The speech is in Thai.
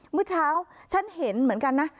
เมื่อเช้าฉันเห็นเหมือนกันนะ